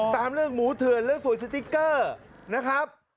ตามเรื่องหมูเถื่อนเรื่องสวยสติ๊กเกอร์นะครับ